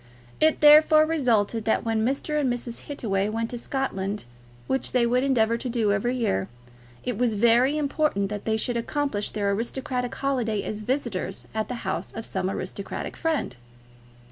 It therefore resulted that when Mr. and Mrs. Hittaway went to Scotland, which they would endeavour to do every year, it was very important that they should accomplish their aristocratic holiday as visitors at the house of some aristocratic friend.